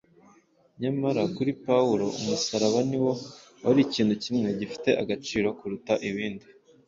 Nyamara kuri Pawulo umusaraba ni wo wari ikintu kimwe gifite agaciro kuruta ibindi.